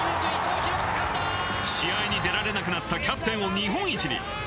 試合に出られなくなったキャプテンを日本一に。